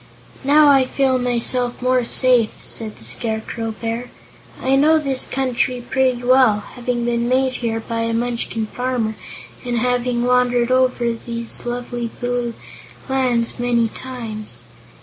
"Now I feel myself more safe," said the Scarecrow Bear. "I know this country pretty well, having been made here by a Munchkin farmer and having wandered over these lovely blue lands many times.